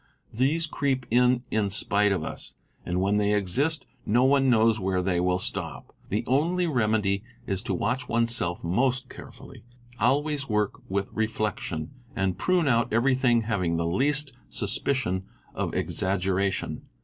These creep in in spite of us, and when they exist no one knows wheré they will stop. The only remedy is to watch oneself most carefully, always work with reflection, and prune out everything having the least suspicion of exaggeration.